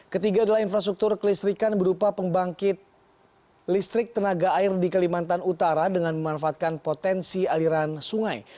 ketiga adalah infrastruktur kelistrikan berupa pembangkit listrik tenaga air di kalimantan utara dengan memanfaatkan potensi aliran sungai